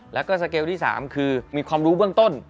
แล้วก็สเกลที่๓คือมีความรู้เบื้องต้น